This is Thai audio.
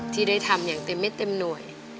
ที่ได้ทำอย่างเต็มเม็ดเต็มหน่วย